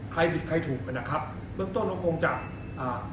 ใครผิดใครถูกนะครับเบื้องต้นก็คงจะอ่า